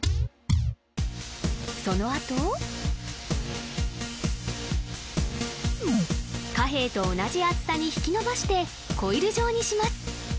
そのあと貨幣と同じ厚さに引きのばしてコイル状にします